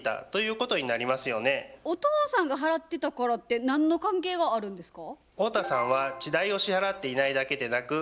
お父さんが払ってたからって何の関係があるんですか？